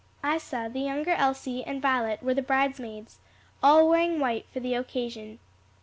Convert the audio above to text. Isa, the younger Elsie and Violet were the bridesmaids, all wearing white for the occasion.